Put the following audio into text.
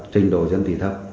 trình độ dân tỉ thấp